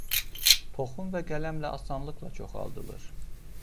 Toxum və qələmlə asanlıqla çoxaldılır.